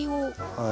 はい。